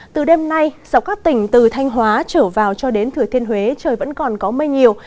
từ đêm nay dọc các tỉnh từ thanh hóa trở vào cho đến thừa thiên huế trời vẫn còn có mây nhiều